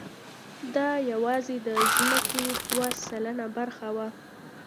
دا یواځې د ځمکې دوه سلنه برخه وه.